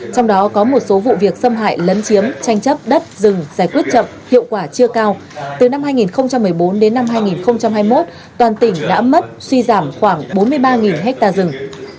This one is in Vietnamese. trong đó có một số vụ việc xâm hại lấn chiếm tranh chấp đất rừng giải quyết chậm hiệu quả chưa cao từ năm hai nghìn một mươi bốn đến năm hai nghìn hai mươi một toàn tỉnh đã mất suy giảm khoảng bốn mươi ba ha rừng